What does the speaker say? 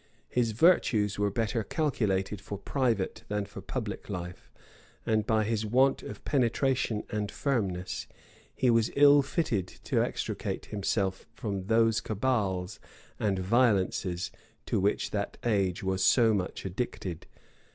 His virtues were better calculated for private than for public life; and by his want of penetration and firmness, he was ill fitted to extricate himself from those cabals and violences to which that age was so much addicted.